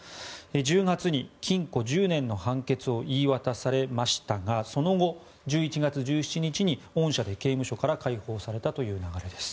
１０月に禁錮１０年の判決を言い渡されましたがその後、１１月１７日に恩赦で刑務所から解放されたという流れです。